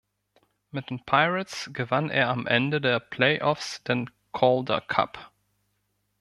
Mit den Pirates gewann er am Ende der Playoffs den Calder Cup.